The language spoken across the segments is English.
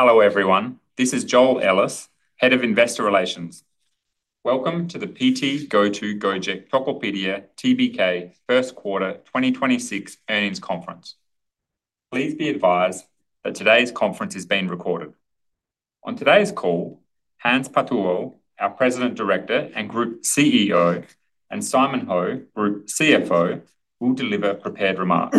Hello, everyone. This is Joel Ellis, Head of Investor Relations. Welcome to the PT GoTo Gojek Tokopedia Tbk First Quarter 2026 Earnings Conference. Please be advised that today's conference is being recorded. On today's call, Hans Patuwo, our President Director and Group CEO, and Simon Ho, Group CFO, will deliver prepared remarks.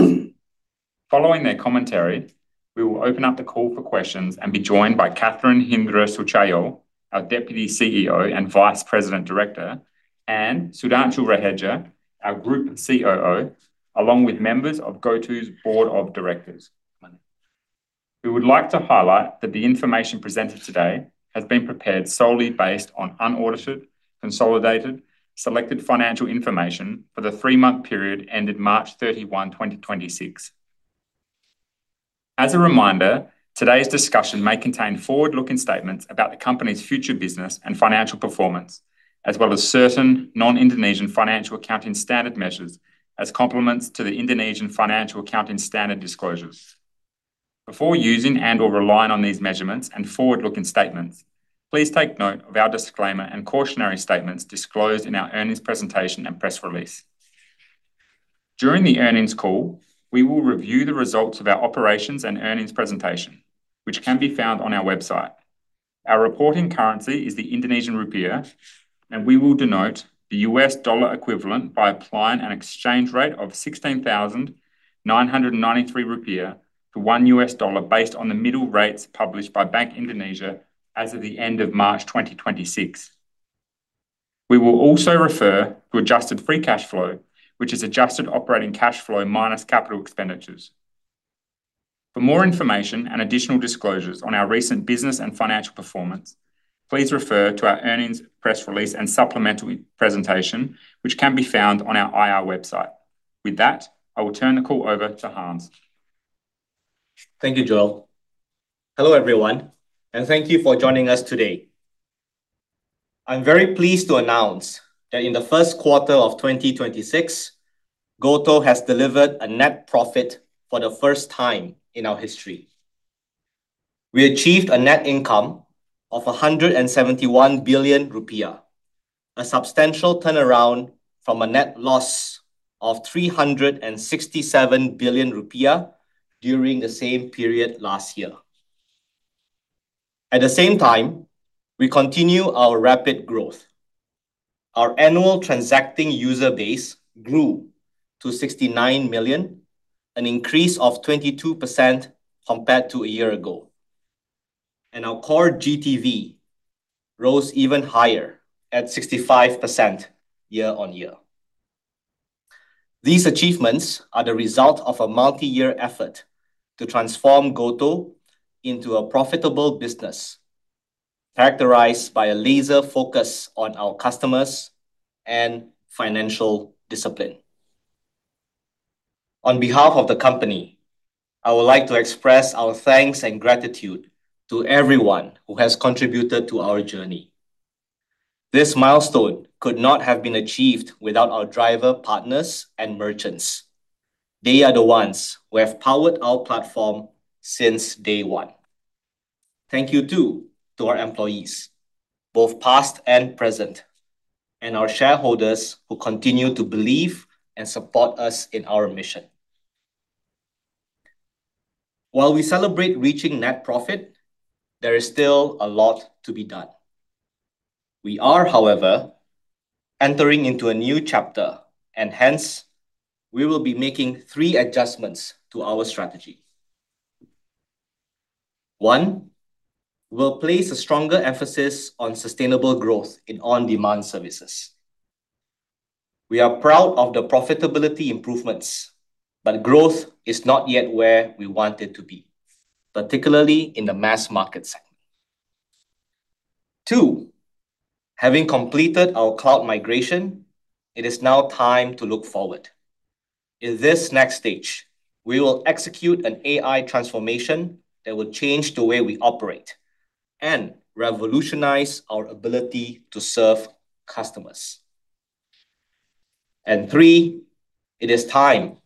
Following their commentary, we will open up the call for questions and be joined by Catherine Hindra Sutjahyo, our Deputy CEO and Vice President Director, and Sudhanshu Raheja, our Group COO, along with members of GoTo's board of directors. We would like to highlight that the information presented today has been prepared solely based on unaudited, consolidated, selected financial information for the three-month period ended March 31, 2026. As a reminder, today's discussion may contain forward-looking statements about the company's future business and financial performance, as well as certain non-Indonesian financial accounting standard measures as complements to the Indonesian financial accounting standard disclosures. Before using and/or relying on these measurements and forward-looking statements, please take note of our disclaimer and cautionary statements disclosed in our earnings presentation and press release. During the earnings call, we will review the results of our operations and earnings presentation, which can be found on our website. Our reporting currency is the Indonesian rupiah, and we will denote the US dollar equivalent by applying an exchange rate of 16,993 rupiah to $1 based on the middle rates published by Bank Indonesia as of the end of March 2026. We will also refer to adjusted free cash flow, which is adjusted operating cash flow minus capital expenditures. For more information and additional disclosures on our recent business and financial performance, please refer to our earnings press release and supplemental presentation, which can be found on our IR website. With that, I will turn the call over to Hans. Thank you, Joel. Hello, everyone, and thank you for joining us today. I'm very pleased to announce that in the first quarter of 2026, GoTo has delivered a net profit for the first time in our history. We achieved a net income of 171 billion rupiah, a substantial turnaround from a net loss of 367 billion rupiah during the same period last year. At the same time, we continue our rapid growth. Our annual transacting user base grew to 69 million, an increase of 22% compared to a year ago. Our core GTV rose even higher at 65% year-on-year. These achievements are the result of a multi-year effort to transform GoTo into a profitable business, characterized by a laser focus on our customers and financial discipline. On behalf of the company, I would like to express our thanks and gratitude to everyone who has contributed to our journey. This milestone could not have been achieved without our driver partners and merchants. They are the ones who have powered our platform since day one. Thank you, too, to our employees, both past and present, and our shareholders who continue to believe and support us in our mission. While we celebrate reaching net profit, there is still a lot to be done. We are, however, entering into a new chapter and hence we will be making three adjustments to our strategy. One, we will place a stronger emphasis on sustainable growth in on-demand services. We are proud of the profitability improvements, but growth is not yet where we want it to be, particularly in the mass market segment. Two, having completed our cloud migration, it is now time to look forward. In this next stage, we will execute an AI transformation that will change the way we operate and revolutionize our ability to serve customers. Three, it is time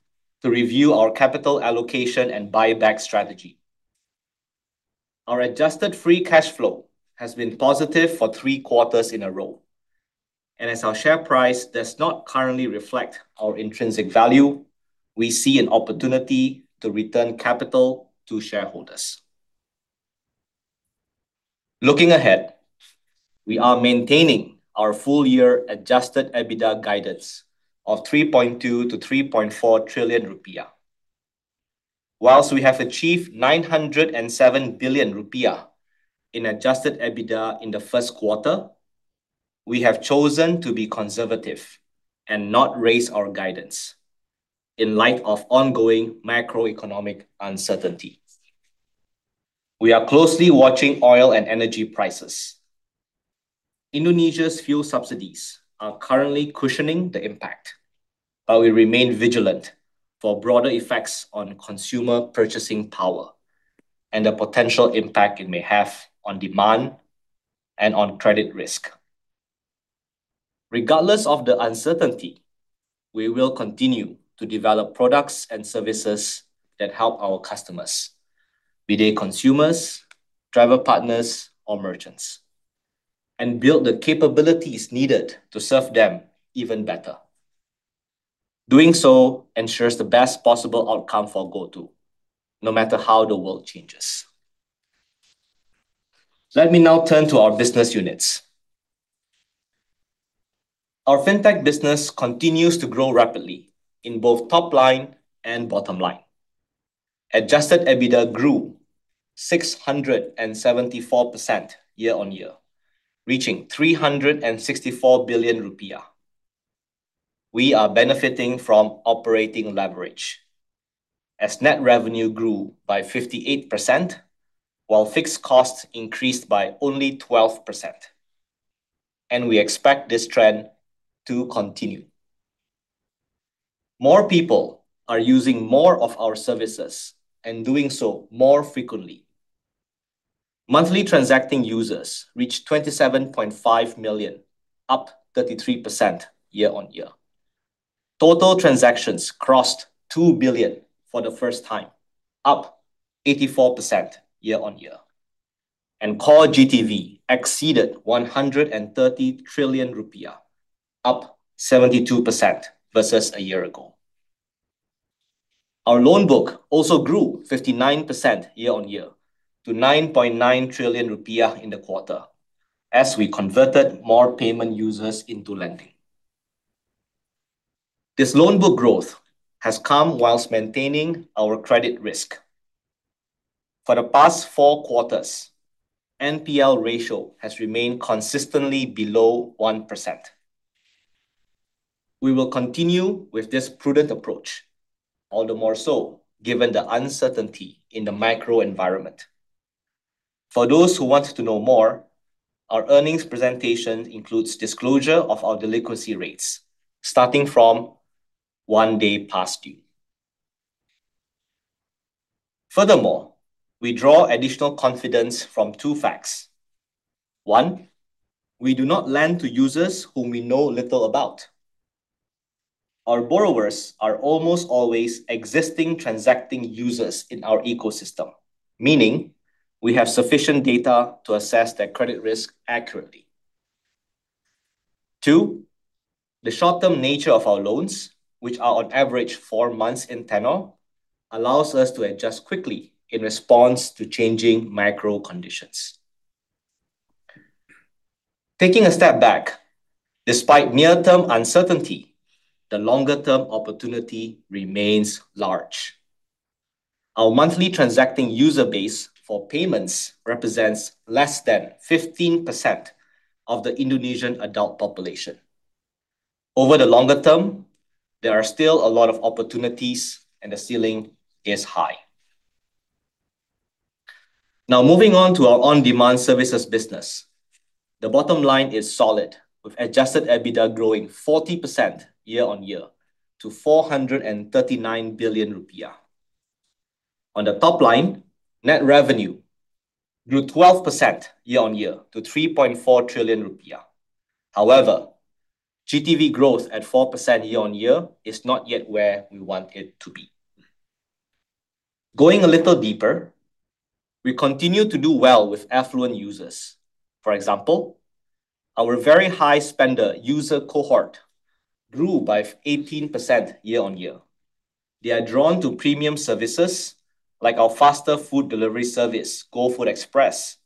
to review our capital allocation and buyback strategy. Our adjusted free cash flow has been positive for three quarters in a row. As our share price does not currently reflect our intrinsic value, we see an opportunity to return capital to shareholders. Looking ahead, we are maintaining our full year adjusted EBITDA guidance of 3.2 trillion-3.4 trillion rupiah. While we have achieved 907 billion rupiah in adjusted EBITDA in the first quarter, we have chosen to be conservative and not raise our guidance in light of ongoing macroeconomic uncertainty. We are closely watching oil and energy prices. Indonesia's fuel subsidies are currently cushioning the impact. We remain vigilant for broader effects on consumer purchasing power and the potential impact it may have on demand and on credit risk. Regardless of the uncertainty, we will continue to develop products and services that help our customers, be they consumers, driver partners, or merchants, and build the capabilities needed to serve them even better. Doing so ensures the best possible outcome for GoTo, no matter how the world changes. Let me now turn to our business units. Our fintech business continues to grow rapidly in both top line and bottom line. Adjusted EBITDA grew 674% year-on-year, reaching 364 billion rupiah. We are benefiting from operating leverage as net revenue grew by 58%, while fixed costs increased by only 12%. We expect this trend to continue. More people are using more of our services and doing so more frequently. Monthly transacting users reached 27.5 million, up 33% year-on-year. Total transactions crossed 2 billion for the first time, up 84% year-on-year, and core GTV exceeded 130 trillion rupiah, up 72% versus a year ago. Our loan book also grew 59% year-on-year to 9.9 trillion rupiah in the quarter as we converted more payment users into lending. This loan book growth has come whilst maintaining our credit risk. For the past four quarters, NPL ratio has remained consistently below 1%. We will continue with this prudent approach, all the more so given the uncertainty in the macro environment. For those who want to know more, our earnings presentation includes disclosure of our delinquency rates starting from one day past due. We draw additional confidence from two facts. One, we do not lend to users whom we know little about. Our borrowers are almost always existing transacting users in our ecosystem, meaning we have sufficient data to assess their credit risk accurately. Two, the short-term nature of our loans, which are on average four months in tenure, allows us to adjust quickly in response to changing macro conditions. Taking a step back, despite near-term uncertainty, the longer-term opportunity remains large. Our monthly transacting user base for payments represents less than 15% of the Indonesian adult population. Over the longer term, there are still a lot of opportunities and the ceiling is high. Moving on to our on-demand services business. The bottom line is solid, with adjusted EBITDA growing 40% year-over-year to 439 billion rupiah. On the top line, net revenue grew 12% year-on-year to 3.4 trillion rupiah. However, GTV growth at 4% year-on-year is not yet where we want it to be. Going a little deeper, we continue to do well with affluent users. For example, our very high spender user cohort grew by 18% year-on-year. They are drawn to premium services like our faster food delivery service, GoFood Express,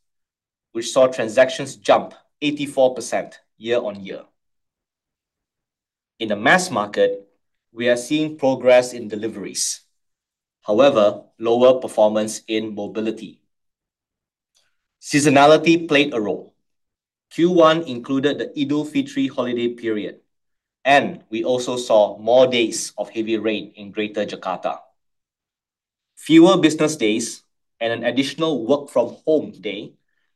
which saw transactions jump 84% year-on-year. In the mass market, we are seeing progress in deliveries, however, lower performance in mobility. Seasonality played a role. Q1 included the Idul Fitri holiday period, and we also saw more days of heavy rain in Greater Jakarta. Fewer business days and an additional work from home day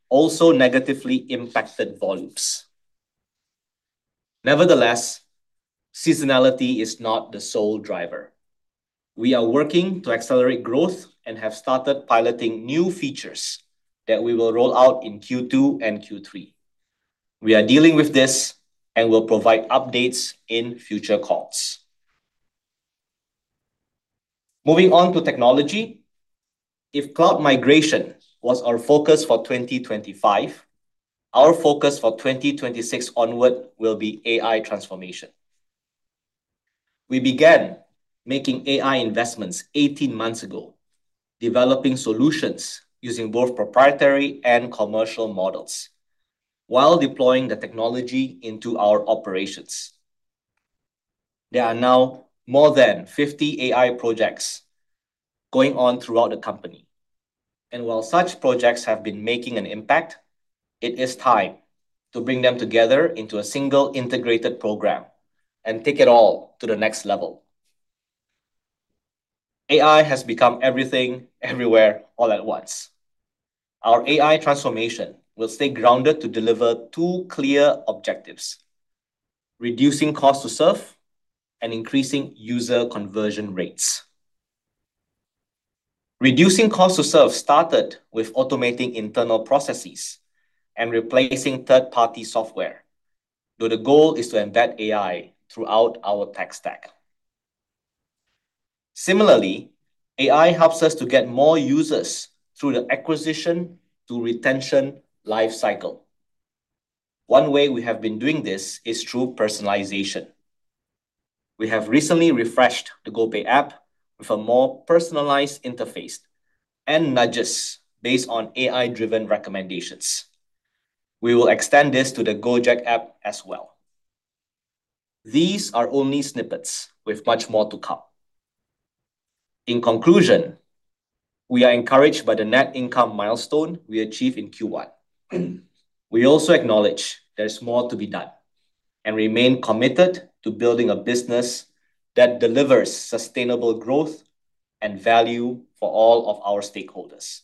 also negatively impacted volumes. Nevertheless, seasonality is not the sole driver. We are working to accelerate growth and have started piloting new features that we will roll out in Q2 and Q3. We are dealing with this and will provide updates in future calls. Moving on to technology. If cloud migration was our focus for 2025, our focus for 2026 onward will be AI transformation. We began making AI investments 18 months ago, developing solutions using both proprietary and commercial models while deploying the technology into our operations. There are now more than 50 AI projects going on throughout the company, and while such projects have been making an impact, it is time to bring them together into a single integrated program and take it all to the next level. AI has become everything, everywhere, all at once. Our AI transformation will stay grounded to deliver two clear objectives, reducing cost to serve and increasing user conversion rates. Reducing cost to serve started with automating internal processes and replacing third-party software, though the goal is to embed AI throughout our tech stack. Similarly, AI helps us to get more users through the acquisition to retention life cycle. One way we have been doing this is through personalization. We have recently refreshed the GoPay app with a more personalized interface and nudges based on AI-driven recommendations. We will extend this to the Gojek app as well. These are only snippets with much more to come. In conclusion, we are encouraged by the net income milestone we achieved in Q1. We also acknowledge there is more to be done and remain committed to building a business that delivers sustainable growth and value for all of our stakeholders.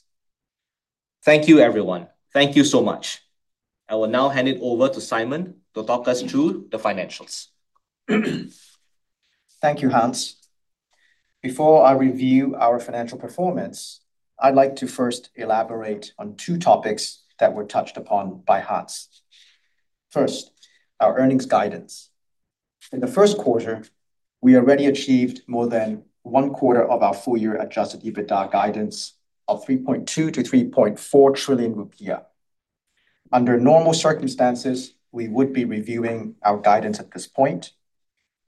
Thank you, everyone. Thank you so much. I will now hand it over to Simon to talk us through the financials. Thank you, Hans. Before I review our financial performance, I'd like to first elaborate on two topics that were touched upon by Hans. First, our earnings guidance. In the first quarter, we already achieved more than 1/4 of our full year adjusted EBITDA guidance of 3.2 trillion-3.4 trillion rupiah. Under normal circumstances, we would be reviewing our guidance at this point,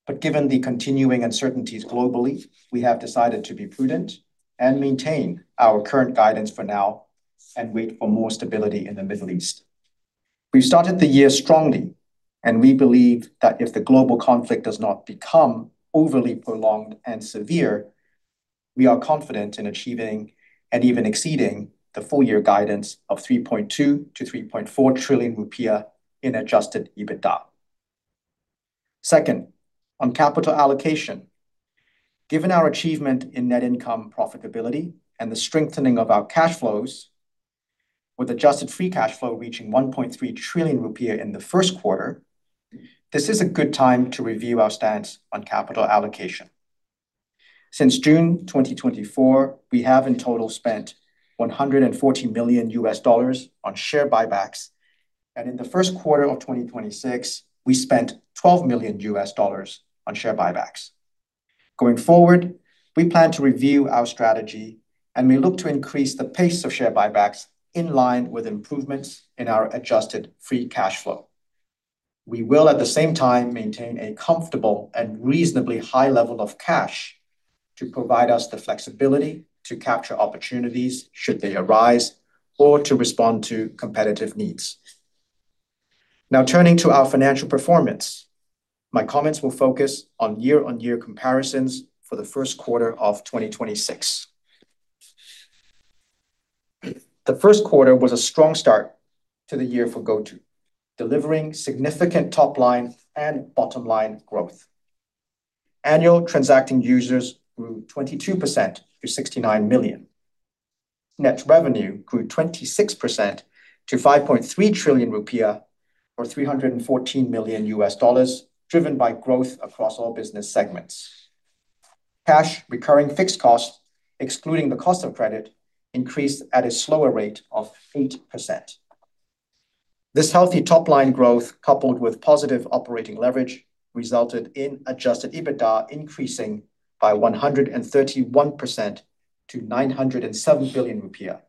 but given the continuing uncertainties globally, we have decided to be prudent and maintain our current guidance for now and wait for more stability in the Middle East. We started the year strongly, and we believe that if the global conflict does not become overly prolonged and severe, we are confident in achieving and even exceeding the full year guidance of 3.2 trillion-3.4 trillion rupiah in adjusted EBITDA. Second, on capital allocation. Given our achievement in net income profitability and the strengthening of our cash flows with adjusted free cash flow reaching 1.3 trillion rupiah in the first quarter, this is a good time to review our stance on capital allocation. Since June 2024, we have in total spent $140 million on share buybacks, and in the first quarter of 2026, we spent $12 million on share buybacks. Going forward, we plan to review our strategy, and we look to increase the pace of share buybacks in line with improvements in our adjusted free cash flow. We will, at the same time, maintain a comfortable and reasonably high level of cash to provide us the flexibility to capture opportunities should they arise or to respond to competitive needs. Now turning to our financial performance. My comments will focus on year-on-year comparisons for the first quarter of 2026. The first quarter was a strong start to the year for GoTo, delivering significant top line and bottom line growth. Annual transacting users grew 22% to 69 million. Net revenue grew 26% to 5.3 trillion rupiah or $314 million, driven by growth across all business segments. Cash recurring fixed costs, excluding the cost of credit, increased at a slower rate of 8%. This healthy top line growth, coupled with positive operating leverage, resulted in adjusted EBITDA increasing by 131% to 907 billion rupiah,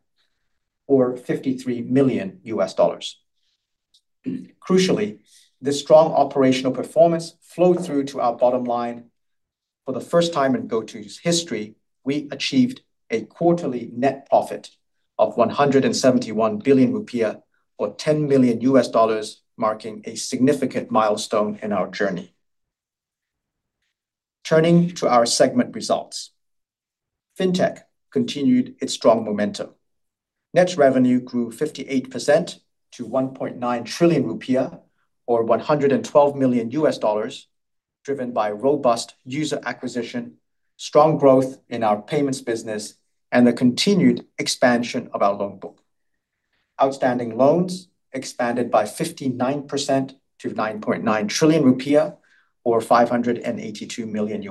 or $53 million. Crucially, this strong operational performance flowed through to our bottom line. For the first time in GoTo's history, we achieved a quarterly net profit of 171 billion rupiah or $10 million, marking a significant milestone in our journey. Turning to our segment results. fintech continued its strong momentum. Net revenue grew 58% to 1.9 trillion rupiah or $112 million, driven by robust user acquisition, strong growth in our payments business, and the continued expansion of our loan book. Outstanding loans expanded by 59% to 9.9 trillion rupiah or $582 million.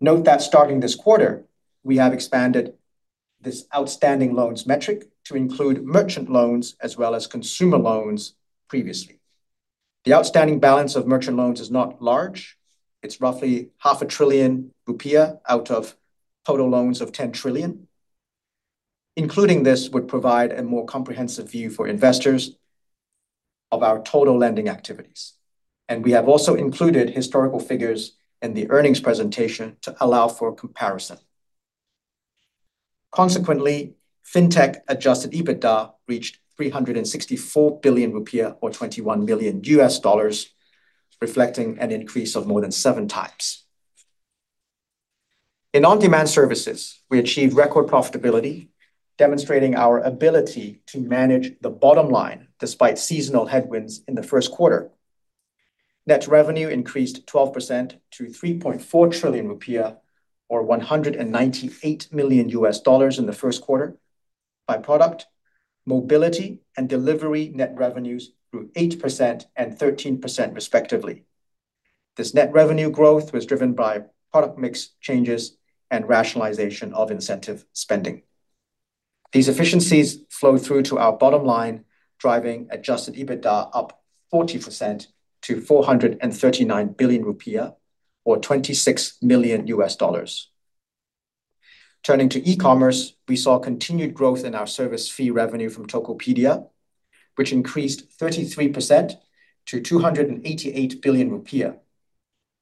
Note that starting this quarter, we have expanded this outstanding loans metric to include merchant loans as well as consumer loans previously. The outstanding balance of merchant loans is not large. It's roughly half a trillion rupiah out of total loans of 10 trillion. Including this would provide a more comprehensive view for investors of our total lending activities, and we have also included historical figures in the earnings presentation to allow for comparison. Consequently, fintech adjusted EBITDA reached 364 billion rupiah or $21 million, reflecting an increase of more than 7x. In on-demand services, we achieved record profitability, demonstrating our ability to manage the bottom line despite seasonal headwinds in the first quarter. Net revenue increased 12% to 3.4 trillion rupiah or $198 million in the first quarter. By product, mobility and delivery net revenues grew 8% and 13% respectively. This net revenue growth was driven by product mix changes and rationalization of incentive spending. These efficiencies flow through to our bottom line, driving adjusted EBITDA up 40% to 439 billion rupiah, or $26 million. Turning to e-commerce, we saw continued growth in our service fee revenue from Tokopedia, which increased 33% to 288 billion rupiah,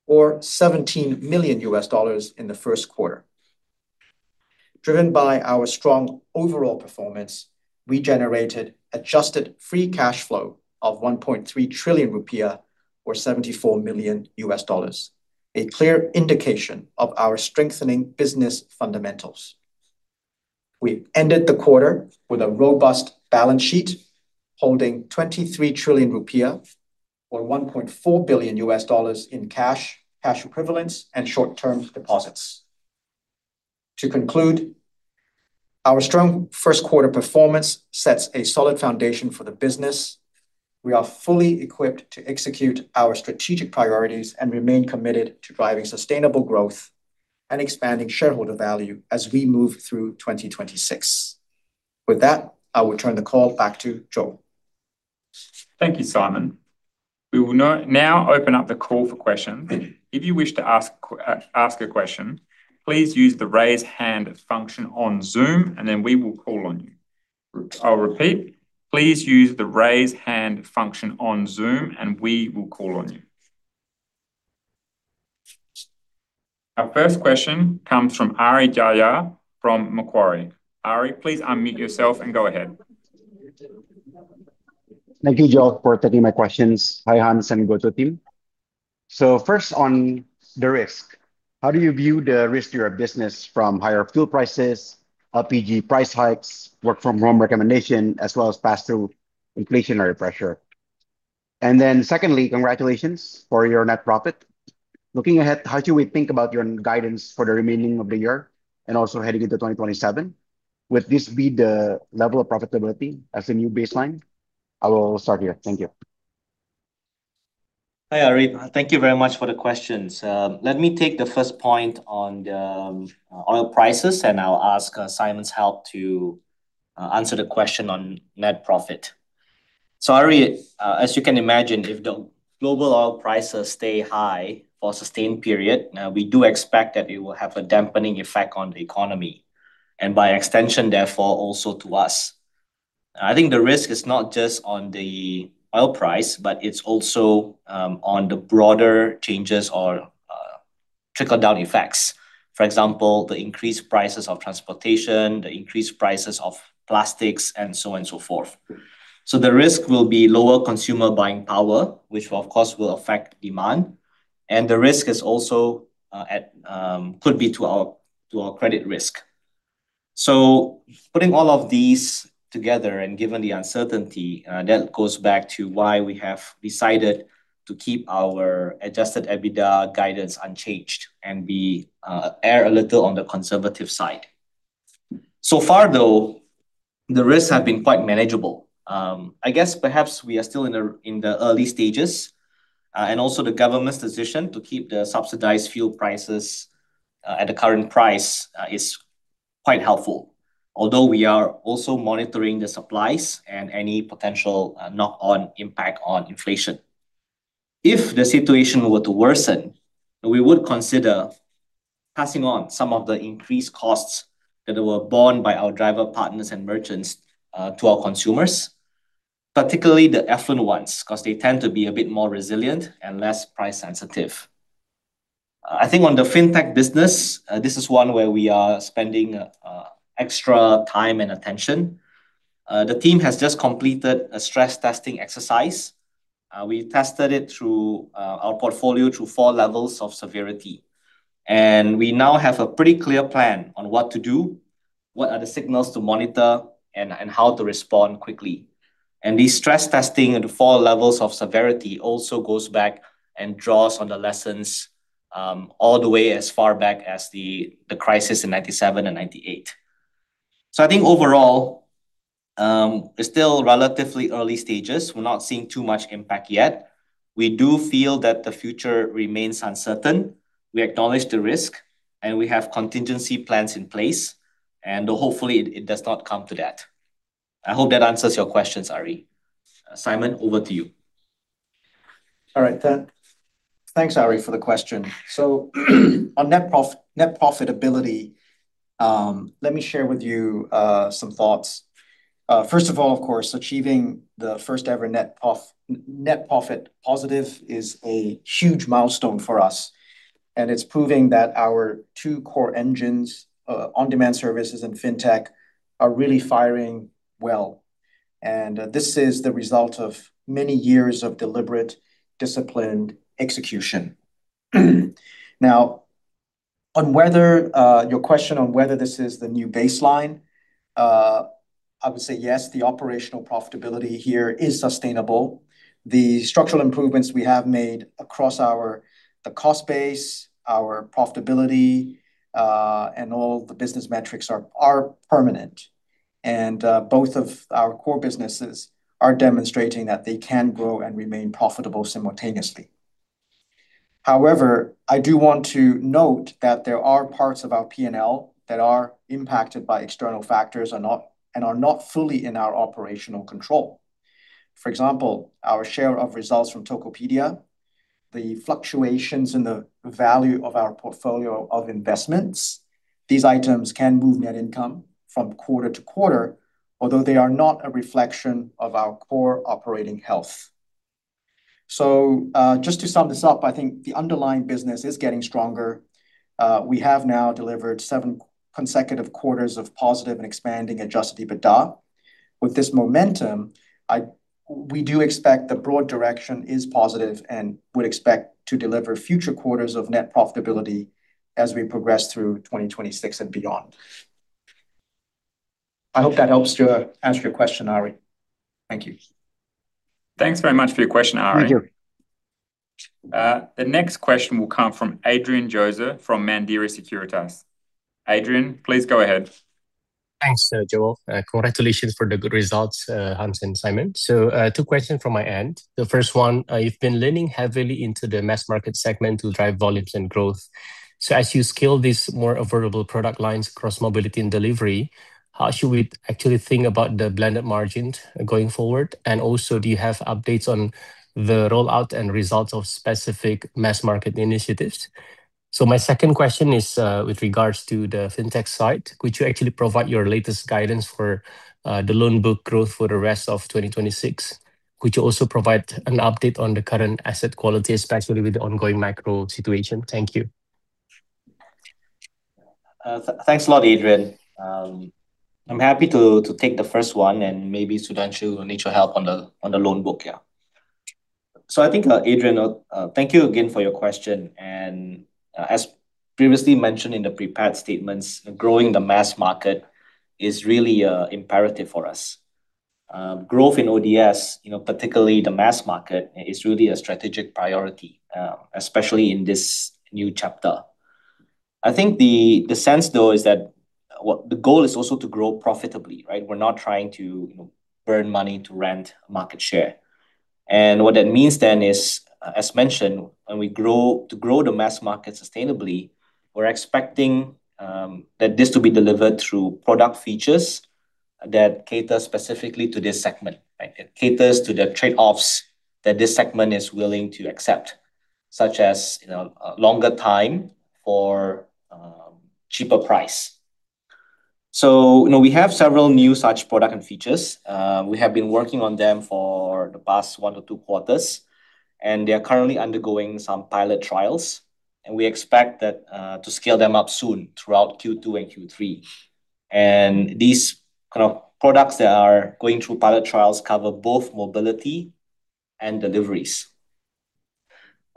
or $17 million in the first quarter. Driven by our strong overall performance, we generated adjusted free cash flow of 1.3 trillion rupiah, or $74 million, a clear indication of our strengthening business fundamentals. We ended the quarter with a robust balance sheet, holding 23 trillion rupiah, or $1.4 billion in cash equivalents, and short-term deposits. To conclude, our strong first quarter performance sets a solid foundation for the business. We are fully equipped to execute our strategic priorities and remain committed to driving sustainable growth and expanding shareholder value as we move through 2026. With that, I will turn the call back to Joel. Thank you, Simon. We will now open up the call for questions. If you wish to ask a question, please use the Raise Hand function on Zoom, and then we will call on you. I'll repeat. Please use the Raise Hand function on Zoom, and we will call on you. Our first question comes from Ari Jahja from Macquarie. Ari, please unmute yourself and go ahead. Thank you, Joel, for taking my questions. Hi, Hans Patuwo and GoTo team. First on the risk, how do you view the risk to your business from higher fuel prices, LPG price hikes, work from home recommendation, as well as pass-through inflationary pressure? Secondly, congratulations for your net profit. Looking ahead, how should we think about your guidance for the remaining of the year and also heading into 2027? Would this be the level of profitability as a new baseline? I will start here. Thank you. Hi, Ari. Thank you very much for the questions. Let me take the first point on the oil prices, and I will ask Simon's help to answer the question on net profit. Ari, as you can imagine, if the global oil prices stay high for a sustained period, we do expect that it will have a dampening effect on the economy, and by extension, therefore, also to us. I think the risk is not just on the oil price, but it is also on the broader changes or trickle-down effects. For example, the increased prices of transportation, the increased prices of plastics, and so on and so forth. The risk will be lower consumer buying power, which of course will affect demand, and the risk is also could be to our credit risk. Putting all of these together and given the uncertainty, that goes back to why we have decided to keep our adjusted EBITDA guidance unchanged and be, err a little on the conservative side. Far, though, the risks have been quite manageable. I guess perhaps we are still in the, in the early stages, and also the government's decision to keep the subsidized fuel prices at the current price, is quite helpful. Although we are also monitoring the supplies and any potential, knock-on impact on inflation. If the situation were to worsen, we would consider passing on some of the increased costs that were borne by our driver partners and merchants, to our consumers, particularly the affluent ones, because they tend to be a bit more resilient and less price sensitive. I think on the fintech business, this is one where we are spending extra time and attention. The team has just completed a stress testing exercise. We tested it through our portfolio through four levels of severity. We now have a pretty clear plan on what to do, what are the signals to monitor, and how to respond quickly. The stress testing at the four levels of severity also goes back and draws on the lessons all the way as far back as the crisis in 1997 and 1998. I think overall, it's still relatively early stages. We're not seeing too much impact yet. We do feel that the future remains uncertain. We acknowledge the risk, and we have contingency plans in place. Hopefully it does not come to that. I hope that answers your questions, Ari. Simon, over to you. All right. Thanks, Ari, for the question. On net profitability, let me share with you some thoughts. First of all, of course, achieving the first ever net profit positive is a huge milestone for us, and it's proving that our two core engines, on-demand services and fintech, are really firing well. This is the result of many years of deliberate, disciplined execution. Now, on whether your question on whether this is the new baseline, I would say yes, the operational profitability here is sustainable. The structural improvements we have made across our, the cost base, our profitability, and all the business metrics are permanent. Both of our core businesses are demonstrating that they can grow and remain profitable simultaneously. However, I do want to note that there are parts of our P&L that are impacted by external factors and are not fully in our operational control. For example, our share of results from Tokopedia, the fluctuations in the value of our portfolio of investments. These items can move net income from quarter to quarter, although they are not a reflection of our core operating health. Just to sum this up, I think the underlying business is getting stronger. We have now delivered seven consecutive quarters of positive and expanding adjusted EBITDA. With this momentum, we do expect the broad direction is positive and would expect to deliver future quarters of net profitability as we progress through 2026 and beyond. I hope that helps to answer your question, Ari. Thank you. Thanks very much for your question, Ari. Thank you. The next question will come from Adrian Joezer from Mandiri Sekuritas. Adrian, please go ahead. Thanks, Joel. Congratulations for the good results, Hans and Simon. Two questions from my end. The first one, you've been leaning heavily into the mass market segment to drive volumes and growth. As you scale these more affordable product lines across mobility and delivery, how should we actually think about the blended margins going forward? Do you have updates on the rollout and results of specific mass market initiatives? My second question is with regards to the fintech side. Could you actually provide your latest guidance for the loan book growth for the rest of 2026? Could you also provide an update on the current asset quality, especially with the ongoing macro situation? Thank you. Thanks a lot, Adrian. I'm happy to take the first one, maybe Sudhanshu will need your help on the loan book here. I think, Adrian, thank you again for your question. As previously mentioned in the prepared statements, growing the mass market is really imperative for us. Growth in ODS, you know, particularly the mass market, is really a strategic priority, especially in this new chapter. I think the sense though is that the goal is also to grow profitably, right? We're not trying to, you know, burn money to rent market share. What that means then is, as mentioned, when we grow to grow the mass market sustainably, we're expecting that this to be delivered through product features that cater specifically to this segment, right? It caters to the trade-offs that this segment is willing to accept, such as, you know, longer time for cheaper price. You know, we have several new such product and features. We have been working on them for the past one to two quarters, and they are currently undergoing some pilot trials, and we expect that to scale them up soon throughout Q2 and Q3. These kind of products that are going through pilot trials cover both mobility and deliveries.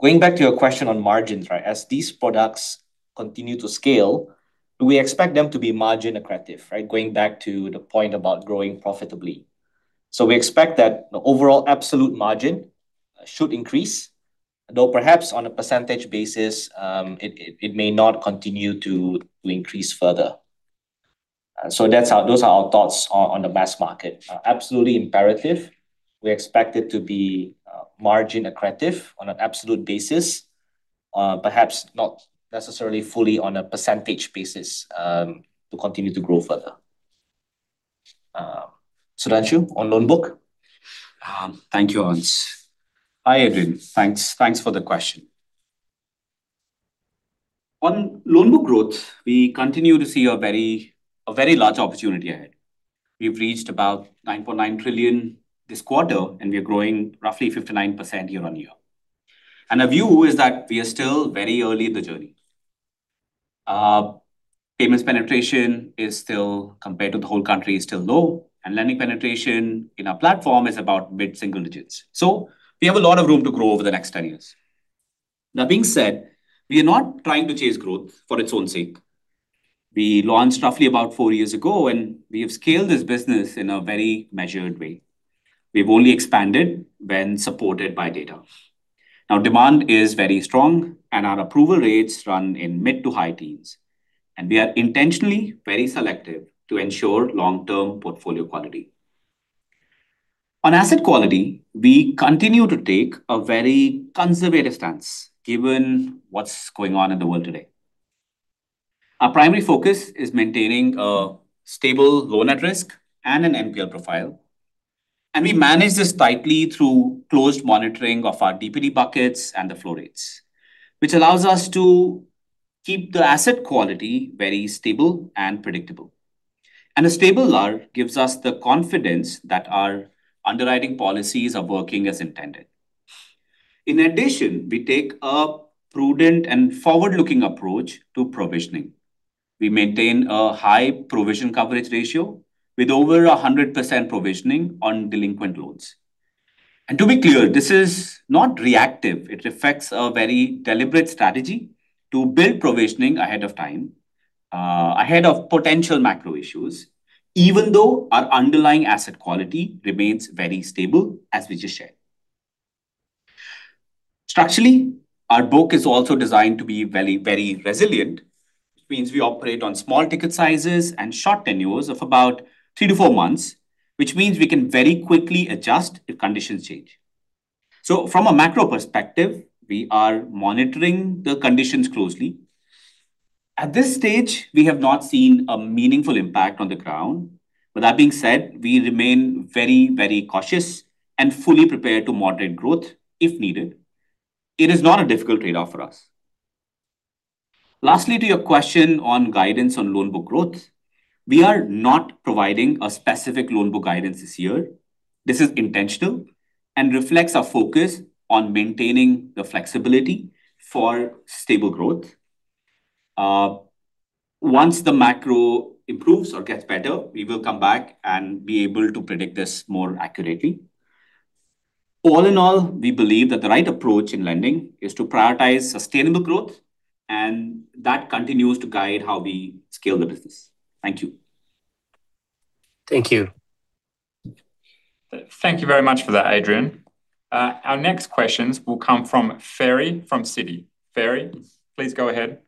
Going back to your question on margins, right? As these products continue to scale, do we expect them to be margin accretive, right? Going back to the point about growing profitably. We expect that the overall absolute margin should increase, though perhaps on a percentage basis, it may not continue to increase further. Those are our thoughts on the mass market. Absolutely imperative. We expect it to be margin accretive on an absolute basis. Perhaps not necessarily fully on a percentage basis. To continue to grow further. Sudhanshu, on loan book. Thank you, Hans. Hi, Adrian. Thanks for the question. On loan book growth, we continue to see a very large opportunity ahead. We've reached about 9.9 trillion this quarter, and we are growing roughly 59% year-on-year. Our view is that we are still very early in the journey. Payments penetration is still, compared to the whole country, is still low, and lending penetration in our platform is about mid-single digits. We have a lot of room to grow over the next 10 years. That being said, we are not trying to chase growth for its own sake. We launched roughly about four years ago, and we have scaled this business in a very measured way. We've only expanded when supported by data. Now, demand is very strong, and our approval rates run in mid-to-high teens, and we are intentionally very selective to ensure long-term portfolio quality. On asset quality, we continue to take a very conservative stance given what's going on in the world today. Our primary focus is maintaining a stable loan at risk and an NPL profile, and we manage this tightly through closed monitoring of our DPD buckets and the flow rates, which allows us to keep the asset quality very stable and predictable. A stable LAR gives us the confidence that our underwriting policies are working as intended. In addition, we take a prudent and forward-looking approach to provisioning. We maintain a high provision coverage ratio with over 100% provisioning on delinquent loans. To be clear, this is not reactive. It reflects a very deliberate strategy to build provisioning ahead of time, ahead of potential macro issues, even though our underlying asset quality remains very stable, as we just shared. Structurally, our book is also designed to be very, very resilient, which means we operate on small ticket sizes and short tenures of about three to four months, which means we can very quickly adjust if conditions change. From a macro perspective, we are monitoring the conditions closely. At this stage, we have not seen a meaningful impact on the ground. With that being said, we remain very, very cautious and fully prepared to moderate growth if needed. It is not a difficult trade-off for us. Lastly, to your question on guidance on loan book growth, we are not providing a specific loan book guidance this year. This is intentional and reflects our focus on maintaining the flexibility for stable growth. Once the macro improves or gets better, we will come back and be able to predict this more accurately. All in all, we believe that the right approach in lending is to prioritize sustainable growth, and that continues to guide how we scale the business. Thank you. Thank you. Thank you very much for that, Adrian. Our next questions will come from Ferry from Citi. Ferry, please go ahead.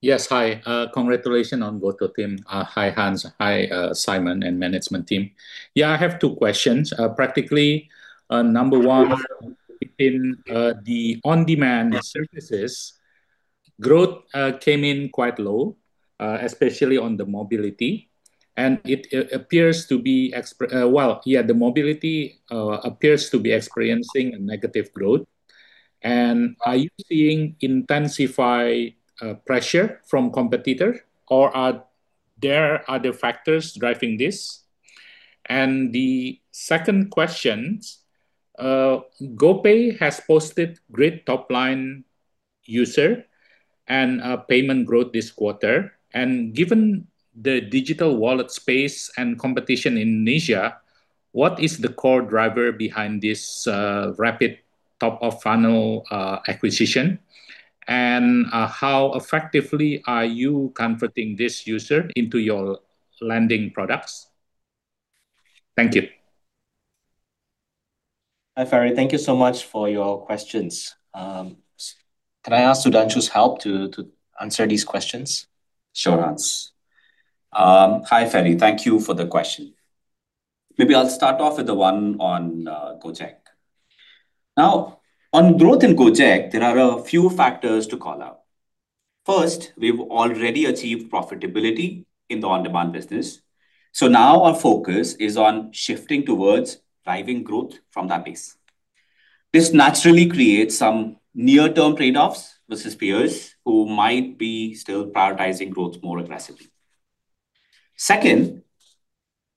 Yes. Hi. Congratulations on GoTo team. Hi Hans, hi, Simon and management team. Yeah, I have two questions. Practically, number one, within the on-demand services, growth came in quite low, especially on the mobility, and it appears to be experiencing a negative growth. Are you seeing intensified pressure from competitor or are there other factors driving this? The second question, GoPay has posted great top-line user and payment growth this quarter. Given the digital wallet space and competition in Indonesia, what is the core driver behind this rapid top-of-funnel acquisition? How effectively are you converting this user into your lending products? Thank you. Hi, Ferry. Thank you so much for your questions. Can I ask Sudhanshu's help to answer these questions? Sure, Hans. Hi, Ferry. Thank you for the question. Maybe I'll start off with the one on Gojek. On growth in Gojek, there are a few factors to call out. First, we've already achieved profitability in the on-demand business, so now our focus is on shifting towards driving growth from that base. This naturally creates some near-term trade-offs versus peers who might be still prioritizing growth more aggressively. Second,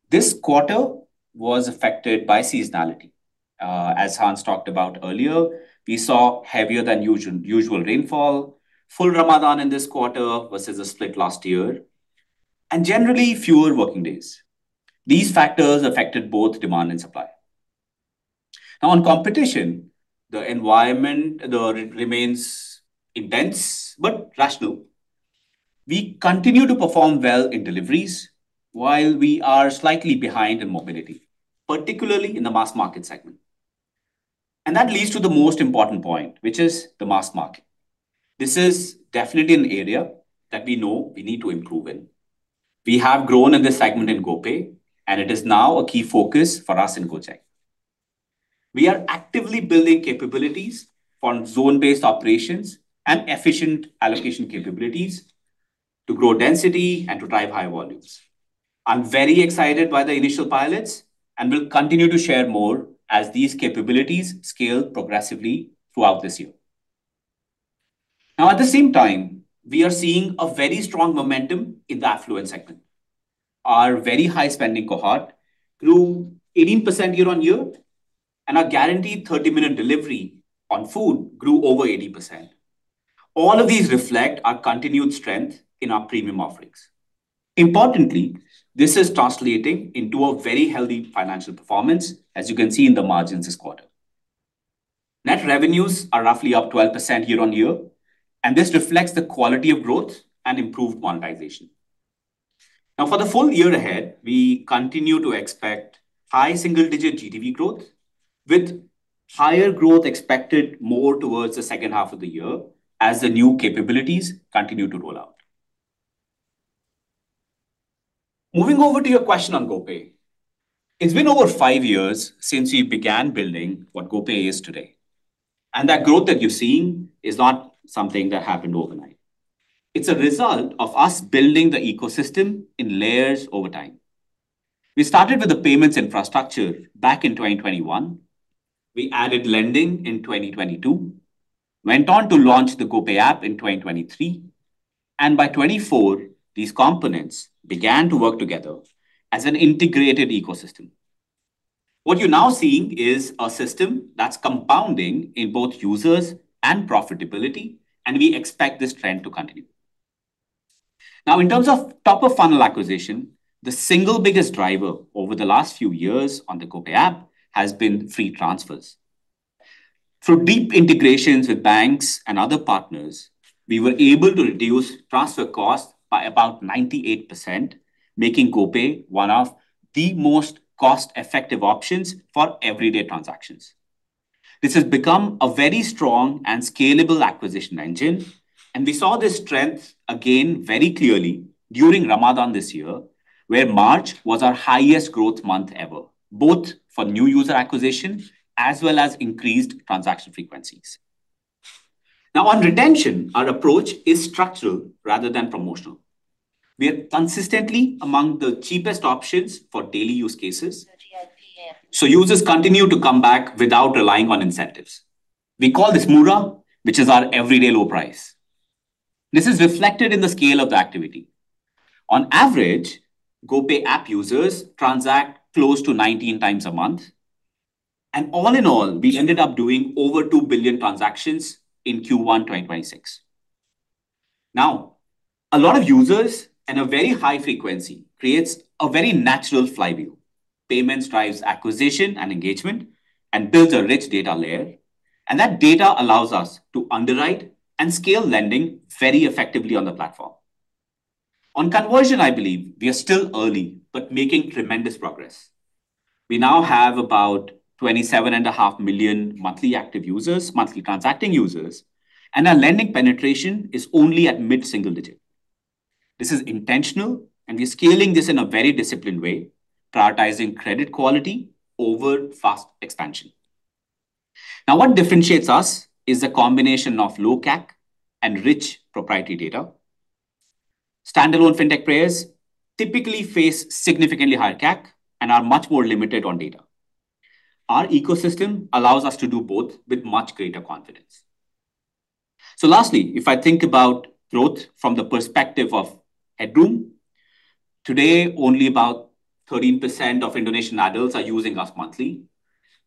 this quarter was affected by seasonality. As Hans talked about earlier, we saw heavier than usual rainfall, full Ramadan in this quarter versus a split last year, and generally fewer working days. These factors affected both demand and supply. On competition, the environment remains intense but rational. We continue to perform well in deliveries while we are slightly behind in mobility, particularly in the mass market segment. That leads to the most important point, which is the mass market. This is definitely an area that we know we need to improve in. We have grown in this segment in GoPay, and it is now a key focus for us in Gojek. We are actively building capabilities for zone-based operations and efficient allocation capabilities to grow density and to drive high volumes. I'm very excited by the initial pilots, and will continue to share more as these capabilities scale progressively throughout this year. Now, at the same time, we are seeing a very strong momentum in the affluent segment. Our very high spending cohort grew 18% year-over-year, and our guaranteed 30-minute delivery on food grew over 80%. All of these reflect our continued strength in our premium offerings. Importantly, this is translating into a very healthy financial performance, as you can see in the margins this quarter. Net revenues are roughly up 12% year-on-year, and this reflects the quality of growth and improved monetization. For the full year ahead, we continue to expect high single-digit GTV growth with higher growth expected more towards the second half of the year as the new capabilities continue to roll out. Moving over to your question on GoPay. It has been over five years since we began building what GoPay is today, and that growth that you are seeing is not something that happened overnight. It is a result of us building the ecosystem in layers over time. We started with the payments infrastructure back in 2021. We added lending in 2022, went on to launch the GoPay app in 2023, and by 2024, these components began to work together as an integrated ecosystem. What you're now seeing is a system that's compounding in both users and profitability, and we expect this trend to continue. Now in terms of top-of-funnel acquisition, the single biggest driver over the last few years on the GoPay app has been free transfers. Through deep integrations with banks and other partners, we were able to reduce transfer costs by about 98%, making GoPay one of the most cost-effective options for everyday transactions. This has become a very strong and scalable acquisition engine, we saw this strength again very clearly during Ramadan this year, where March was our highest growth month ever, both for new user acquisition as well as increased transaction frequencies. Now, on retention, our approach is structural rather than promotional. We are consistently among the cheapest options for daily use cases, users continue to come back without relying on incentives. We call this Murah, which is our everyday low price. This is reflected in the scale of the activity. On average, GoPay app users transact close to 19x a month, all in all, we ended up doing over 2 billion transactions in Q1 2026. A lot of users and a very high frequency creates a very natural flywheel. Payments drives acquisition and engagement and builds a rich data layer, and that data allows us to underwrite and scale lending very effectively on the platform. On conversion, I believe, we are still early but making tremendous progress. We now have about 27.5 million monthly active users, monthly transacting users, and our lending penetration is only at mid-single digit. This is intentional, and we're scaling this in a very disciplined way, prioritizing credit quality over fast expansion. What differentiates us is the combination of low CAC and rich proprietary data. Standalone fintech players typically face significantly higher CAC and are much more limited on data. Our ecosystem allows us to do both with much greater confidence. Lastly, if I think about growth from the perspective of headroom, today, only about 13% of Indonesian adults are using us monthly.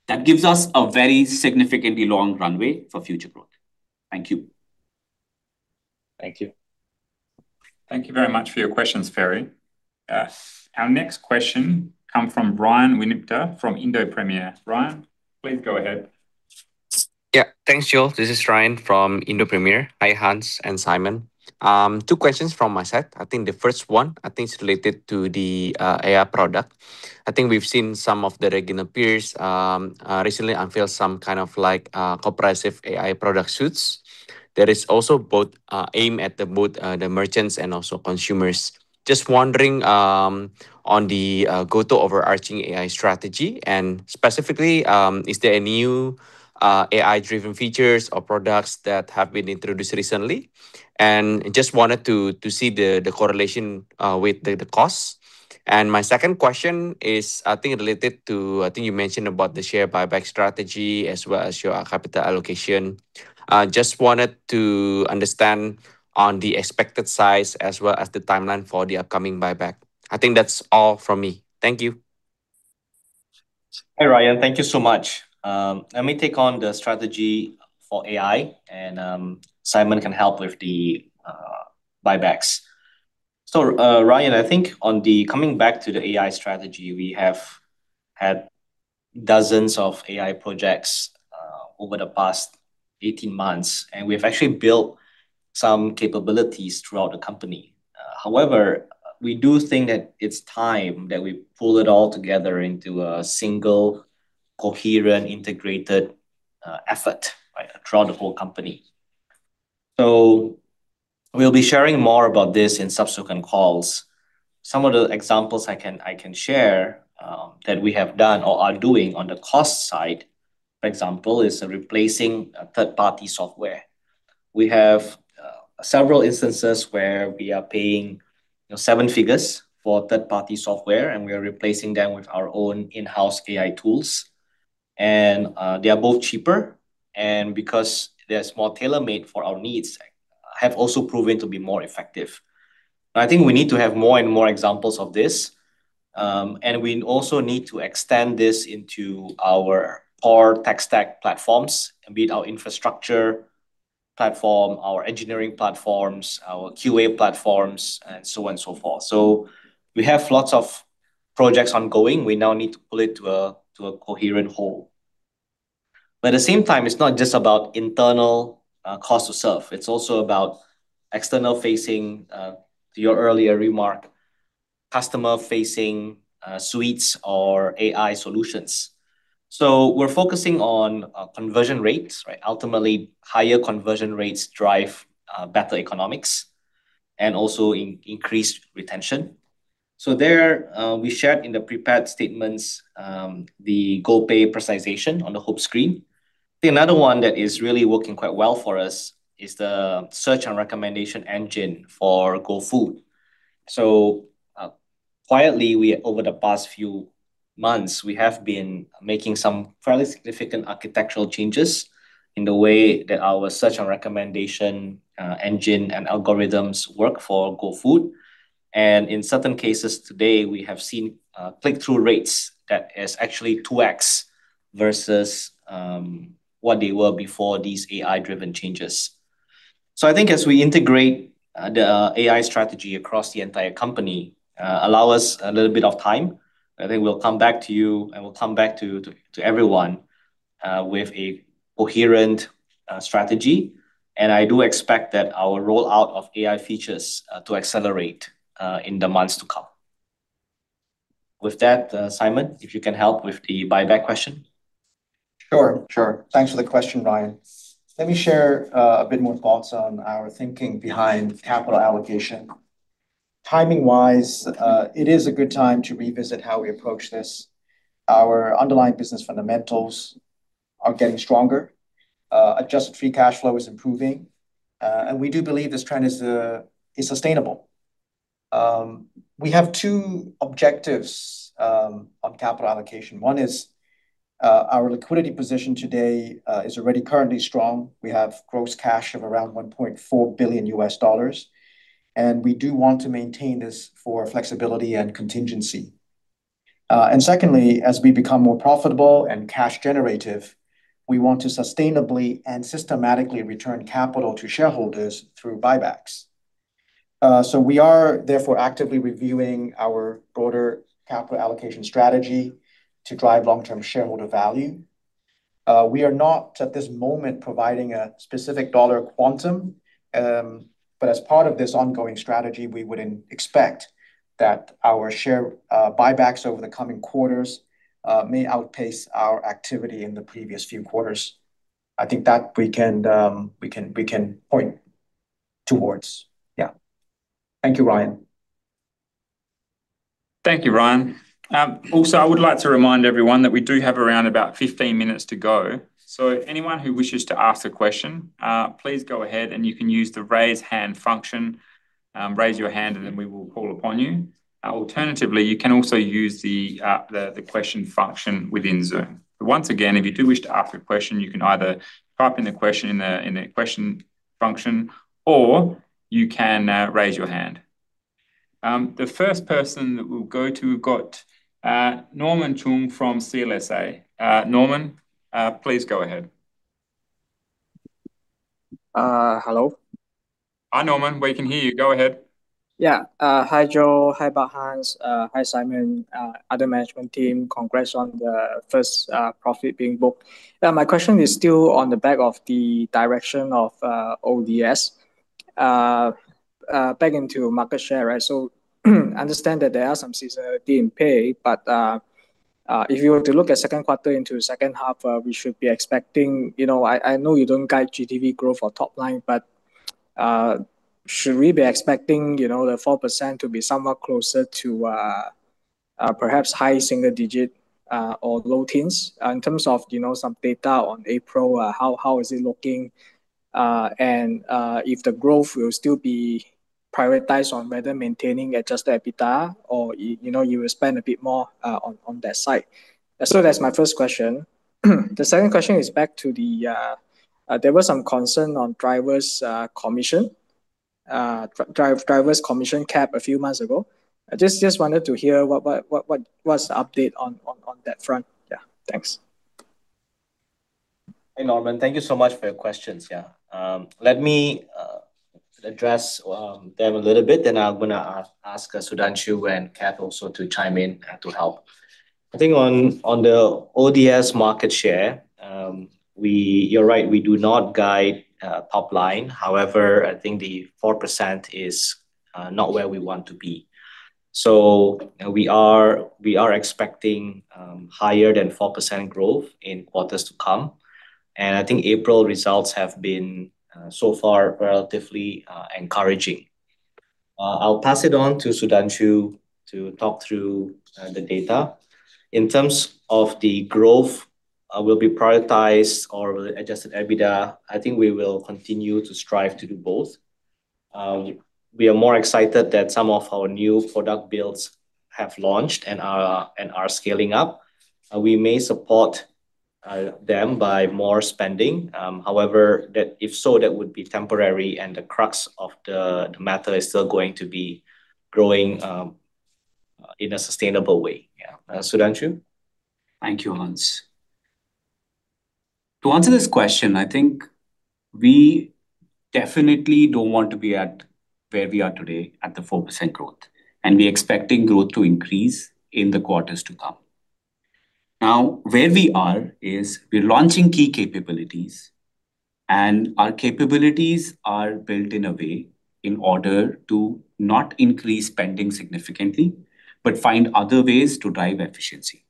That gives us a very significantly long runway for future growth. Thank you. Thank you. Thank you very much for your questions, Ferry. Our next question come from Ryan Winipta from Indo Premier. Ryan, please go ahead. Yeah. Thanks, Joel. This is Ryan from Indo Premier. Hi, Hans and Simon. Two questions from my side. The first one, I think it's related to the AI product. We've seen some of the regional peers recently unveil some kind of like comprehensive AI product suites that is also both aim at the both the merchants and also consumers. Just wondering on the GoTo overarching AI strategy, and specifically, is there any new AI-driven features or products that have been introduced recently? Just wanted to see the correlation with the costs. My second question is, related to, I think you mentioned about the share buyback strategy as well as your capital allocation. Just wanted to understand on the expected size as well as the timeline for the upcoming buyback. I think that's all from me. Thank you. Hey, Ryan. Thank you so much. Let me take on the strategy for AI and Simon can help with the buybacks. Ryan, I think on the coming back to the AI strategy, we have had dozens of AI projects over the past 18 months, and we've actually built some capabilities throughout the company. However, we do think that it's time that we pull it all together into a single coherent, integrated effort, right, throughout the whole company. We'll be sharing more about this in subsequent calls. Some of the examples I can share that we have done or are doing on the cost side, for example, is replacing a third-party software. We have several instances where we are paying, you know, seven figures for third-party software, and we are replacing them with our own in-house AI tools. They are both cheaper, and because they're more tailor-made for our needs, have also proven to be more effective. I think we need to have more and more examples of this, and we also need to extend this into our core tech stack platforms, be it our infrastructure platform, our engineering platforms, our QA platforms and so on and so forth. We have lots of projects ongoing. We now need to pull it to a coherent whole. At the same time, it's not just about internal cost to serve. It's also about external-facing, to your earlier remark, customer-facing suites or AI solutions. We're focusing on conversion rates, right? Ultimately, higher conversion rates drive better economics and also increased retention. There, we shared in the prepared statements, the GoPay personalization on the home screen. I think another one that is really working quite well for us is the search and recommendation engine for GoFood. Quietly, over the past few months, we have been making some fairly significant architectural changes in the way that our search and recommendation engine and algorithms work for GoFood. In certain cases today, we have seen click-through rates that is actually 2x versus what they were before these AI-driven changes. I think as we integrate the AI strategy across the entire company, allow us a little bit of time. I think we'll come back to you and we'll come back to everyone with a coherent strategy. I do expect that our rollout of AI features to accelerate in the months to come. With that, Simon, if you can help with the buyback question. Sure. Sure. Thanks for the question, Ryan. Let me share a bit more thoughts on our thinking behind capital allocation. Timing-wise, it is a good time to revisit how we approach this. Our underlying business fundamentals are getting stronger. Adjusted free cash flow is improving. We do believe this trend is sustainable. We have two objectives on capital allocation. One is, our liquidity position today is already currently strong. We have gross cash of around $1.4 billion, and we do want to maintain this for flexibility and contingency. Secondly, as we become more profitable and cash generative, we want to sustainably and systematically return capital to shareholders through buybacks. We are therefore actively reviewing our broader capital allocation strategy to drive long-term shareholder value. We are not at this moment providing a specific dollar quantum, but as part of this ongoing strategy, we would expect that our share buybacks over the coming quarters may outpace our activity in the previous few quarters. I think that we can point towards. Yeah. Thank you, Ryan. Thank you, Ryan. Also, I would like to remind everyone that we do have around about 15 minutes to go. Anyone who wishes to ask a question, please go ahead and you can use the Raise Hand function. Raise your hand, and then we will call upon you. Alternatively, you can also use the question function within Zoom. Once again, if you do wish to ask a question, you can either type in the question in the question function, or you can raise your hand. The first person that we'll go to, we've got Norman Choong from CLSA. Norman, please go ahead. Hello? Hi, Norman. We can hear you. Go ahead. Yeah. Hi, Joel. Hi, Hans. Hi, Simon, other management team. Congrats on the first profit being booked. My question is still on the back of the direction of ODS back into market share, right? Understand that there are some seasonality in play, but if you were to look at second quarter into second half, we should be expecting, you know, I know you don't guide GTV growth or top line, but should we be expecting, you know, the 4% to be somewhat closer to perhaps high single digit or low teens? In terms of, you know, some data on April, how is it looking? If the growth will still be prioritized on whether maintaining adjusted EBITDA or you know, you will spend a bit more on that side. That's my first question. The second question is back to the, there was some concern on drivers' commission cap a few months ago. I just wanted to hear what's the update on that front. Thanks. Hey, Norman. Thank you so much for your questions. Let me address them a little bit, then I'm gonna ask Sudhanshu and Cath also to chime in to help. I think on the ODS market share, you're right, we do not guide top line. I think the 4% is not where we want to be. We are expecting higher than 4% growth in quarters to come, and I think April results have been so far relatively encouraging. I'll pass it on to Sudhanshu to talk through the data. In terms of the growth, will be prioritized or adjusted EBITDA, I think we will continue to strive to do both. We are more excited that some of our new product builds have launched and are scaling up. We may support them by more spending. However, that if so, that would be temporary and the crux of the matter is still going to be growing in a sustainable way. Yeah. Sudhanshu? Thank you, Hans. To answer this question, I think we definitely don't want to be at where we are today at the 4% growth, and we're expecting growth to increase in the quarters to come. Where we are is we're launching key capabilities, and our capabilities are built in a way in order to not increase spending significantly but find other ways to drive efficiency.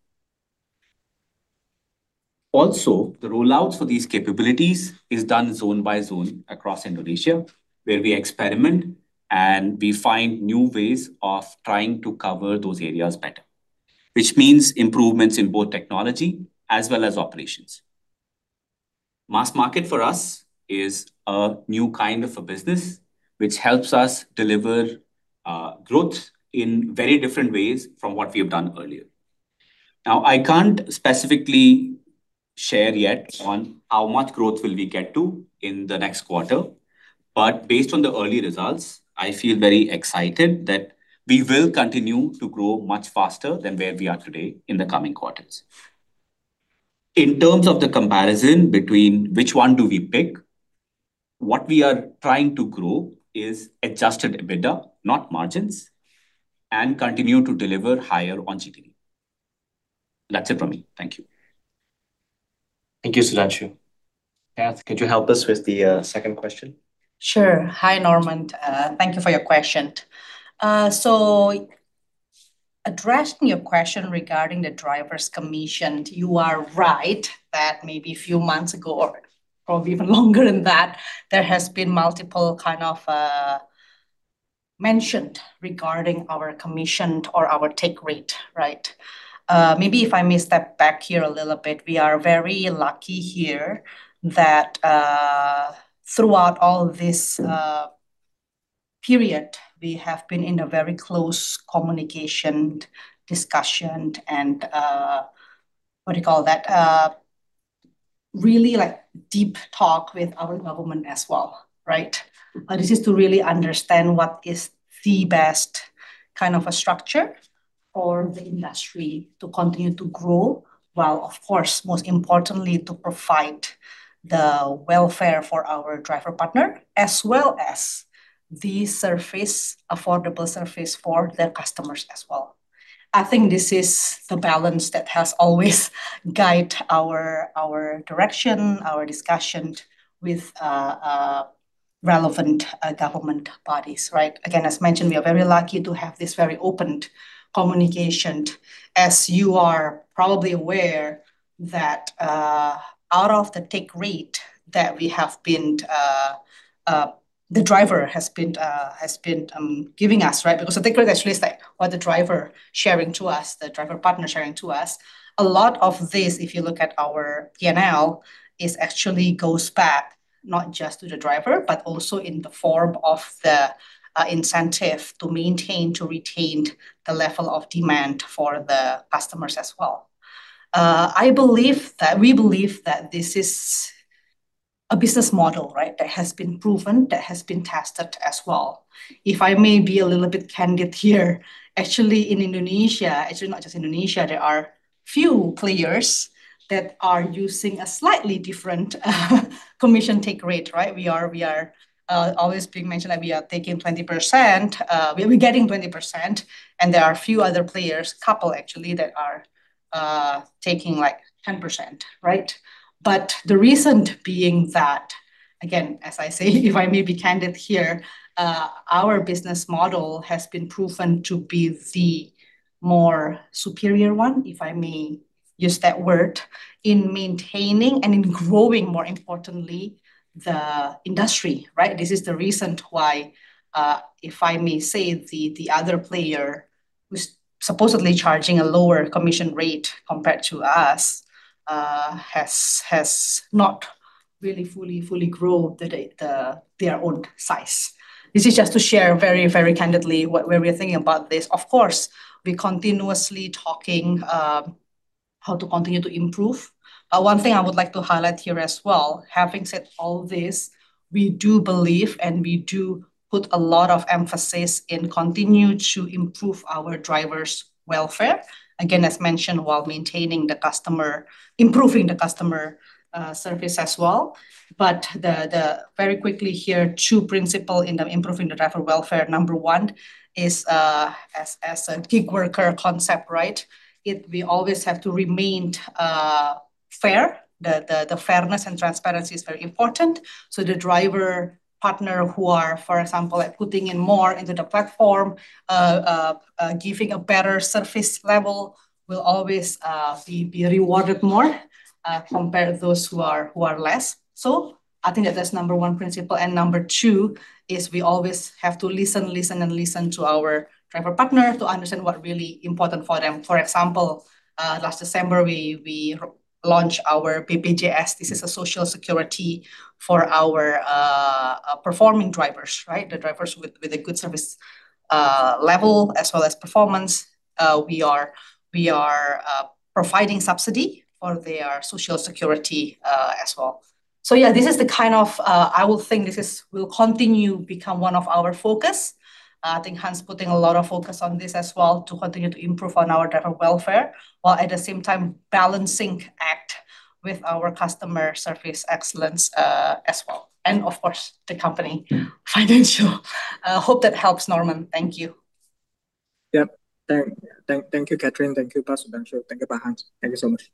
The rollout for these capabilities is done zone by zone across Indonesia, where we experiment, and we find new ways of trying to cover those areas better, which means improvements in both technology as well as operations. Mass market for us is a new kind of a business, which helps us deliver growth in very different ways from what we have done earlier. I can't specifically share yet on how much growth will we get to in the next quarter, but based on the early results, I feel very excited that we will continue to grow much faster than where we are today in the coming quarters. In terms of the comparison between which one do we pick, what we are trying to grow is adjusted EBITDA, not margins, and continue to deliver higher OCG. That's it from me. Thank you. Thank you, Sudhanshu. Cath, could you help us with the second question? Sure. Hi, Norman. Thank you for your question. So addressing your question regarding the driver's commission, you are right that maybe a few months ago or probably even longer than that there has been multiple kind of mentioned regarding our commission or our take rate, right? Maybe if I may step back here a little bit. We are very lucky here that throughout all this period we have been in a very close communication discussion and what do you call that? Really, like, deep talk with our government as well, right? This is to really understand what is the best kind of a structure for the industry to continue to grow while, of course, most importantly, to provide the welfare for our driver partner, as well as the service, affordable service for their customers as well. I think this is the balance that has always guide our direction, our discussion with relevant government bodies, right? Again, as mentioned, we are very lucky to have this very open communication. As you are probably aware that out of the take rate that the driver has been giving us, right? Because the take rate actually is, like, what the driver sharing to us, the driver partner sharing to us. A lot of this, if you look at our PNL, is actually goes back not just to the driver, but also in the form of the incentive to maintain, to retain the level of demand for the customers as well. We believe that this is a business model, right, that has been proven, that has been tested as well. If I may be a little bit candid here, actually, in Indonesia, actually not just Indonesia, there are few players that are using a slightly different commission take rate. We are always being mentioned that we are taking 20%. We'll be getting 20%, and there are a few other players, couple actually, that are taking, like, 10%. The reason being that, again, as I say, if I may be candid here, our business model has been proven to be the more superior one, if I may use that word, in maintaining and in growing, more importantly, the industry. This is the reason why, if I may say, the other player who's supposedly charging a lower commission rate compared to us, has not really fully grown their own size. This is just to share very, very candidly what we are thinking about this. Of course, we're continuously talking how to continue to improve. One thing I would like to highlight here as well, having said all this, we do believe, and we do put a lot of emphasis in continue to improve our drivers' welfare. Again, as mentioned, while maintaining the customer, improving the customer service as well. Very quickly here, two principle in the improving the driver welfare. Number one is as a gig worker concept, right? We always have to remain fair. The fairness and transparency is very important. The driver partner who are, for example, like, putting in more into the platform, giving a better service level will always be rewarded more compared to those who are less. I think that that's number one principle. Number two is we always have to listen, and listen to our driver partner to understand what really important for them. For example, last December, we launched our BPJS. This is a social security for our performing drivers, right? The drivers with a good service level as well as performance. We are providing subsidy for their social security as well. Yeah, I would think this is will continue become one of our focus. I think Hans putting a lot of focus on this as well to continue to improve on our driver welfare, while at the same time balancing act with our customer service excellence, as well. Of course, the company financial. Hope that helps, Norman. Thank you. Yep. Thank you, Catherine. Thank you, Pak Sudhanshu. Thank you, Pak Hans. Thank you so much.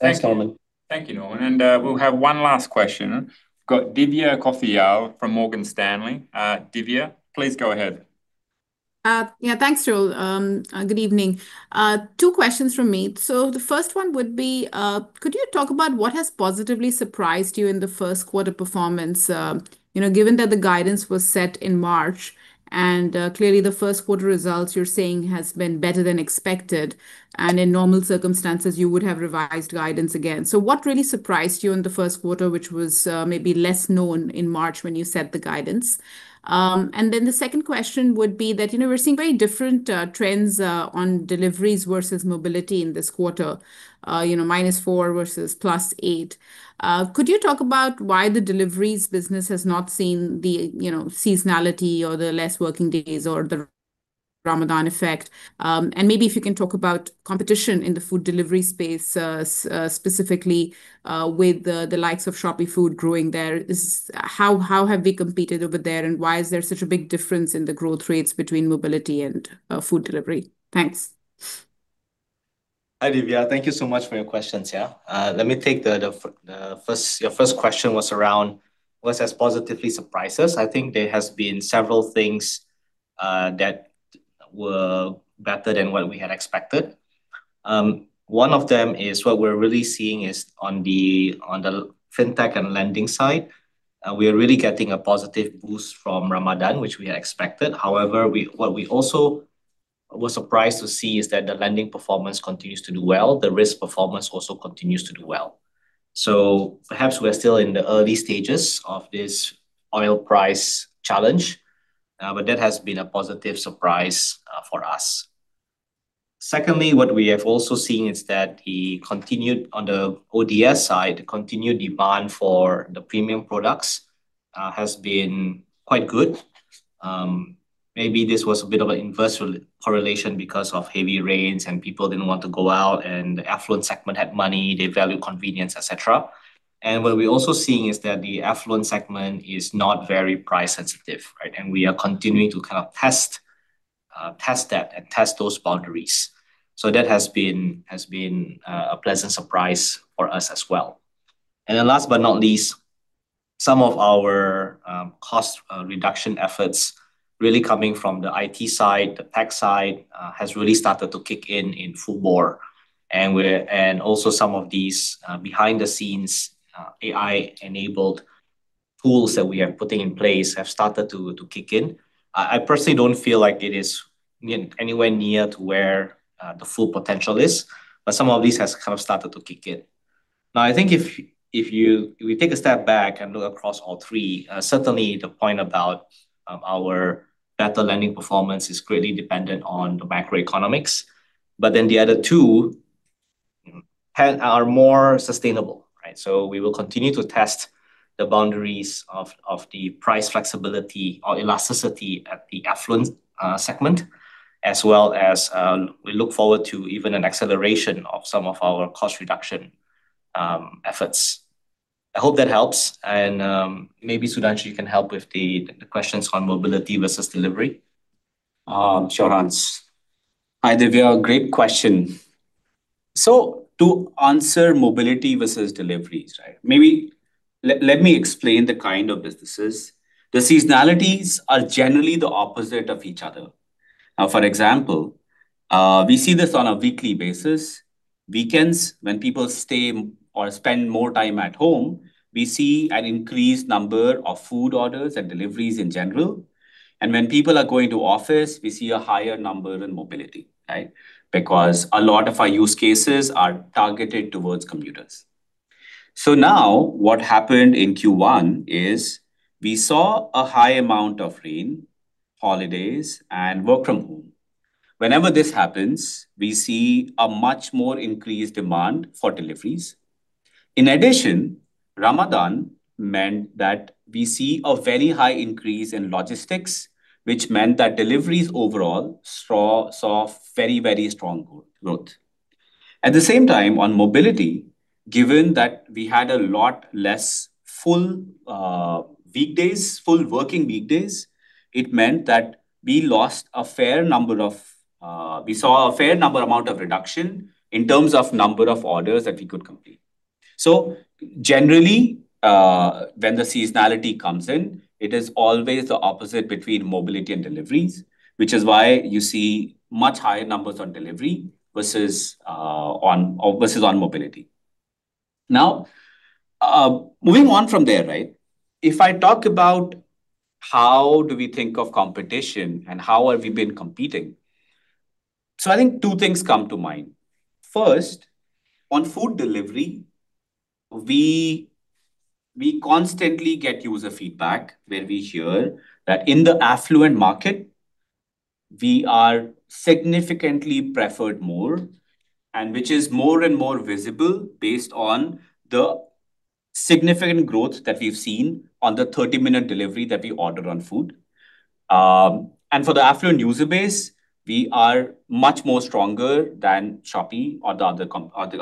Thanks, Norman. Thank you, Norman. We'll have one last question. We've got Divya Kothiyal from Morgan Stanley. Divya, please go ahead. Yeah. Thanks, Joel. Good evening. Two questions from me. The first one would be, could you talk about what has positively surprised you in the first quarter performance? You know, given that the guidance was set in March, clearly the first quarter results you're seeing has been better than expected, and in normal circumstances you would have revised guidance again. What really surprised you in the first quarter, which was maybe less known in March when you set the guidance? The second question would be that, you know, we're seeing very different trends on deliveries versus mobility in this quarter, you know, -4 versus +8. Could you talk about why the deliveries business has not seen the, you know, seasonality or the less working days or the Ramadan effect. Maybe if you can talk about competition in the food delivery space, specifically, with the likes of ShopeeFood growing there. How have we competed over there, and why is there such a big difference in the growth rates between mobility and food delivery? Thanks. Hi, Divya. Thank you so much for your questions, yeah. Let me take the first. Your first question was around what has positively surprised us. I think there has been several things that were better than what we had expected. One of them is what we're really seeing is on the fintech and lending side, we are really getting a positive boost from Ramadan, which we had expected. What we also were surprised to see is that the lending performance continues to do well. The risk performance also continues to do well. Perhaps we're still in the early stages of this oil price challenge, but that has been a positive surprise for us. Secondly, what we have also seen is that the continued demand for the premium products has been quite good. Maybe this was a bit of an inverse re-correlation because of heavy rains, and people didn't want to go out, and the affluent segment had money, they value convenience, et cetera. What we're also seeing is that the affluent segment is not very price sensitive, right? We are continuing to kind of test that and test those boundaries. That has been a pleasant surprise for us as well. Last but not least, some of our cost reduction efforts really coming from the IT side, the tech side, has really started to kick in in full bore. Also some of these behind the scenes AI-enabled tools that we are putting in place have started to kick in. I personally don't feel like it is near, anywhere near to where the full potential is, but some of this has kind of started to kick in. I think if we take a step back and look across all three, certainly the point about our better lending performance is greatly dependent on the macroeconomics. The other two are more sustainable, right? We will continue to test the boundaries of the price flexibility or elasticity at the affluent segment, as well as we look forward to even an acceleration of some of our cost reduction efforts. I hope that helps and, maybe Sudhanshu, you can help with the questions on mobility versus delivery. Sure, Hans. Hi, Divya. Great question. To answer mobility versus deliveries, right? Maybe let me explain the kind of businesses. The seasonalities are generally the opposite of each other. For example, we see this on a weekly basis. Weekends, when people stay or spend more time at home, we see an increased number of food orders and deliveries in general. When people are going to office, we see a higher number in mobility, right? Because a lot of our use cases are targeted towards commuters. Now what happened in Q1 is we saw a high amount of rain, holidays, and work from home. Whenever this happens, we see a much more increased demand for deliveries. In addition, Ramadan meant that we see a very high increase in logistics, which meant that deliveries overall saw very strong growth. At the same time on mobility, given that we had a lot less full weekdays, full working weekdays, it meant that we lost a fair number of, we saw a fair number amount of reduction in terms of number of orders that we could complete. Generally, when the seasonality comes in, it is always the opposite between mobility and deliveries, which is why you see much higher numbers on delivery versus versus on mobility. Moving on from there, right? If I talk about how do we think of competition and how have we been competing, I think two things come to mind. First, on food delivery, we constantly get user feedback where we hear that in the affluent market, we are significantly preferred more, which is more and more visible based on the significant growth that we've seen on the 30-minute delivery that we ordered on food. For the affluent user base, we are much more stronger than Shopee or the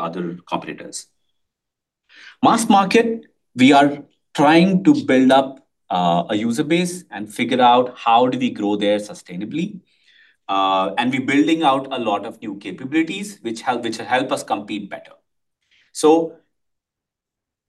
other competitors. Mass market, we are trying to build up a user base and figure out how do we grow there sustainably. We're building out a lot of new capabilities which help us compete better.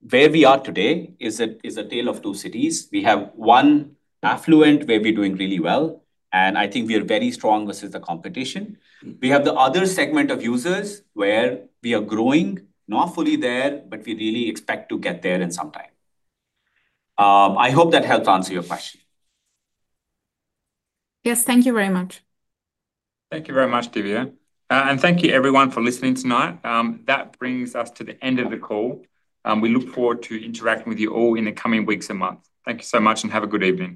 Where we are today is a tale of two cities. We have one affluent where we're doing really well, I think we are very strong versus the competition. We have the other segment of users where we are growing, not fully there, but we really expect to get there in some time. I hope that helped answer your question. Yes. Thank you very much. Thank you very much, Divya. Thank you everyone for listening tonight. That brings us to the end of the call, we look forward to interacting with you all in the coming weeks and months. Thank you so much and have a good evening.